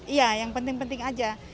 iya yang penting penting aja